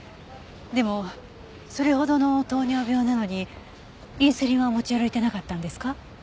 でもそれほどの糖尿病なのにインスリンは持ち歩いてなかったんですか？